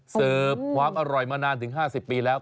เสิร์ฟความอร่อยมานานถึง๕๐ปีแล้ว